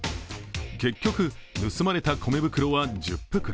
結局、盗まれた米袋は１０袋。